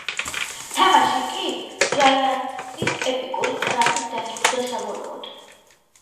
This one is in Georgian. თამაში კი ჯაიანთსის ეპიკური კრახით დასრულდა საბოლოოდ.